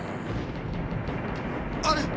あれ？